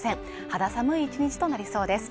肌寒い１日となりそうです